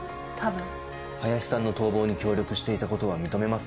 多分林さんの逃亡に協力していたことは認め